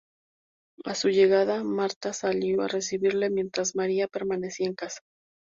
A su llegada, Marta salió a recibirle, mientras María permanecía en casa.